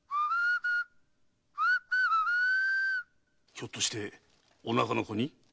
ひょっとしてお腹の子に？